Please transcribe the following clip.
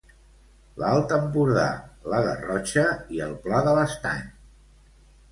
L'Alt Empordà, la Garrotxa i el Pla de l'Estany.